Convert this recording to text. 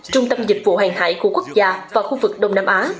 trung tâm dịch vụ hàng hải của quốc gia và khu vực đông nam á